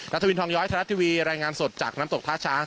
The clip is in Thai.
ทวินทองย้อยไทยรัฐทีวีรายงานสดจากน้ำตกท่าช้าง